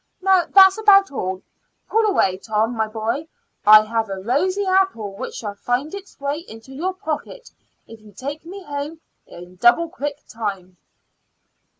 Now that's about all. Pull away, Tom, my boy. I have a rosy apple which shall find its way into your pocket if you take me home in double quick time."